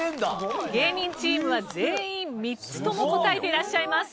芸人チームは全員３つとも答えていらっしゃいます。